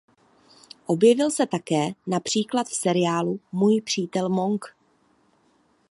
Objevil se také například v seriálu "Můj přítel Monk".